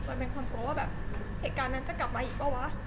เป็นคนกลัวว่าแบบเหตุการณ์นั้นจะกลับมาอีกเปล่าวะ